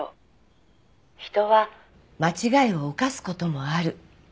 人は間違いを犯す事もある。